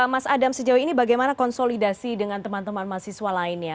mas adam sejauh ini bagaimana konsolidasi dengan teman teman mahasiswa lainnya